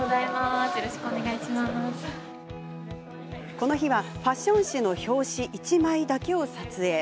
この日はファッション誌の表紙１枚だけを撮影。